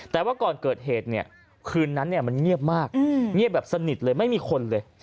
แต่ว่าก่อนเกิดเหตุเนี่ยคืนนั้นมันเงียบมากเงียบแบบสนิทเลยไม่มีคนเลย